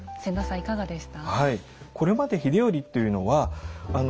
いかがでした？